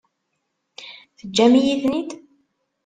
Teǧǧam-iyi-ten-id?